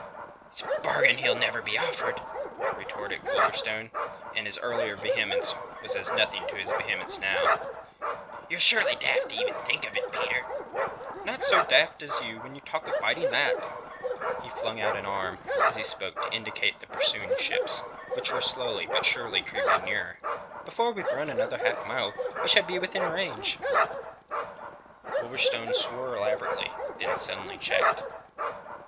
"It's a bargain he'll never be offered," retorted Wolverstone, and his earlier vehemence was as nothing to his vehemence now. "Ye're surely daft even to think of it, Peter!" "Not so daft as you when you talk of fighting that." He flung out an arm as he spoke to indicate the pursuing ships, which were slowly but surely creeping nearer. "Before we've run another half mile we shall be within range." Wolverstone swore elaborately, then suddenly checked.